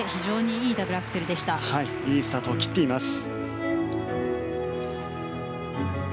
いいスタートを切っています。